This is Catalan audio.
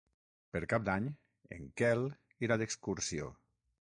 Per Cap d'Any en Quel irà d'excursió.